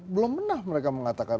belum pernah mereka mengatakan